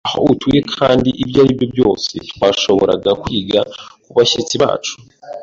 aho atuye. Kandi ibyo aribyo byose twashoboraga kwiga kubashyitsi bacu.